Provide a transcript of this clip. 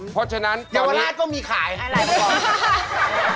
เพราะฉะนั้นตอนนี้ยาวราชก็มีขายให้ลายมังกร